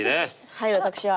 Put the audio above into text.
はい私は。